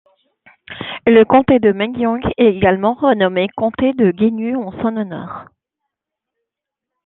Le comté de Mengjiang est également renommé comté de Jingyu en son honneur.